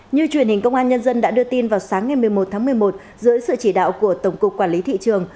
như truyền hình công an nhân dân đã đưa tin vào sáng ngày một mươi một tháng một mươi một dưới sự chỉ đạo của tổng cục quản lý thị trường